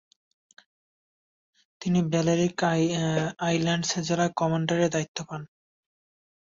তিনি Balearic islands জেলায় কমান্ডারের দায়িত্ব পান।